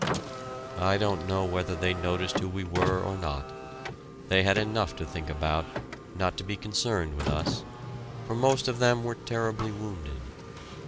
I don't know whether they noticed who we were or not they had enough to think about, not to be concerned with us, for most of them were terribly wounded.